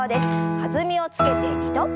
弾みをつけて２度。